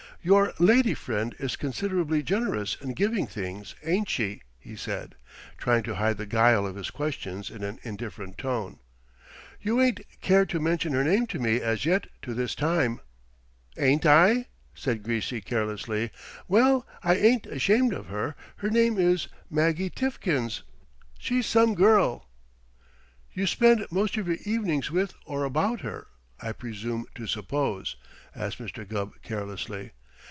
"Your lady friend is considerably generous in giving things, ain't she?" he said, trying to hide the guile of his questions in an indifferent tone. "You ain't cared to mention her name to me as yet to this time." "Ain't I?" said Greasy carelessly. "Well, I ain't ashamed of her. Her name is Maggie Tiffkins. She's some girl!" "You spend most of your evenings with or about her, I presume to suppose?" asked Mr. Gubb carelessly.